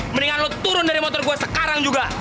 mendingan lo turun dari motor gue sekarang juga